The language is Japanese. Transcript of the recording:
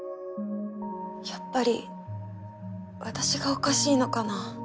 やっぱり私がおかしいのかな？